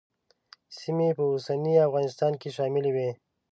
سیمې په اوسني افغانستان کې شاملې وې.